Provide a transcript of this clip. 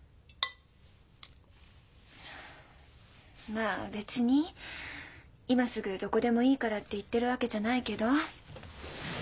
まあ別に今すぐどこでもいいからって言ってるわけじゃないけど。